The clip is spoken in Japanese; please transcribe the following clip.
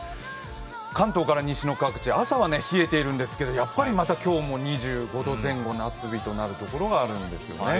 関東から西の各地、朝は冷えているんですけど、やっぱりまた今日も２５度前後夏日となるところがあるんですよね。